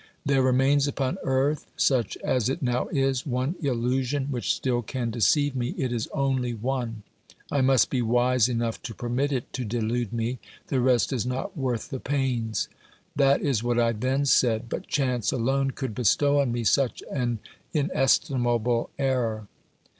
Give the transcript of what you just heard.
There remains upon earth, such as it now is, one illusion which still can deceive me ; it is only one : I must be wise enough to permit it to delude me, the rest is not worth the pains. — That is what I then said, but chance alone could bestow on me such an inestimable error.